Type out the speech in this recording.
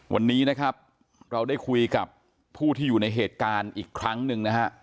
วันนี้นะครับเราได้คุยกับผู้ที่อยู่ในเหตุการณ์อีกครั้งหนึ่งนะฮะ